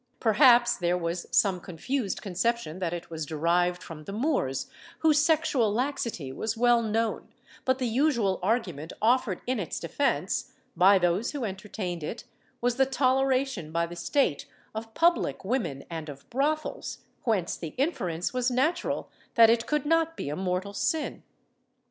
Perhaps there was some confused conception that it was derived from the Moors whose sexual laxity was well known, but the usual argument offered in its defence, by those who entertained it, was the toleration by the State of public women and of brothels, whence the inference was natural that it could not be a mortal sin.